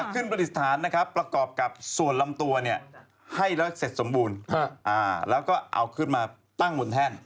ปฏิสถานนะครับประกอบกับส่วนลำตัวให้แล้วเสร็จสมบูรณ์แล้วก็เอาขึ้นมาตั้งบนแท่น